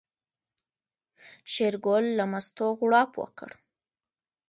شېرګل له مستو غوړپ وکړ.